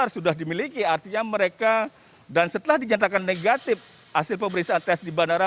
sudah dimiliki artinya mereka dan setelah dinyatakan negatif hasil pemeriksaan tes di bandara